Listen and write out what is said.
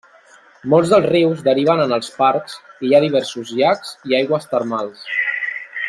Molts dels rius deriven en els parcs i hi ha diversos llacs i aigües termals.